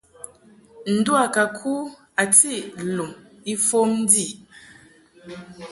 Ndu a ka ku a tiʼ lum ifom ndi.